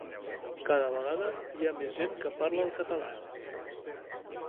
Cada vegada, hi ha més gent que parla el català